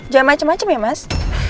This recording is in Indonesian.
jam macem macem ya mas